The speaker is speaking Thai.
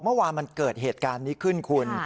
เมื่อวานมันเกิดเหตุการณ์นี้ขึ้นคุณ